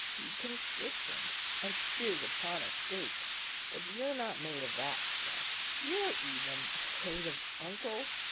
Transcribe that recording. Be consistent, and fizz upon a stake; but you're not made of that stuff. You're even afraid of uncle.